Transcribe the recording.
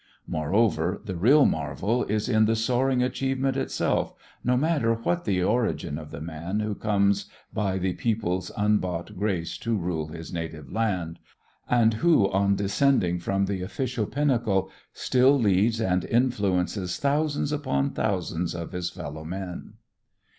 Moreover the real marvel is in the soaring achievement itself, no matter what the origin of the man who comes by "the people's unbought grace to rule his native land" and who on descending from the official pinnacle still leads and influences thousands upon thousands of his fellow men.